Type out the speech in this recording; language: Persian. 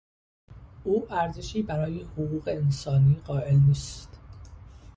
او ارزشی برای حقوق انسانی قائل نیست.